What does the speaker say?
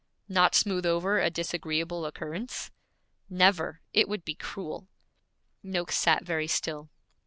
'Not smooth over a disagreeable occurrence?' 'Never! It would be cruel.' Noakes sat very still.